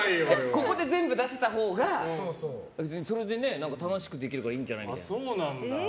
ここで全部出せたほうがそれで楽しくできるからいいんじゃないかって。